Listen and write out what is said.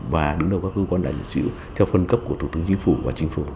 và đứng đầu các hưu quan đại dịch dữ theo phân cấp của tổ tướng chính phủ và chính phủ